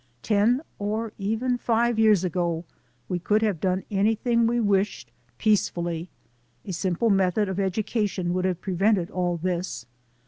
Ten or even five years ago we could have done any thing we wished peacefully ; a simple method of edu cation would have prevented all this.